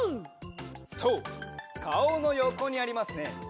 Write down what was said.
そうかおのよこにありますね。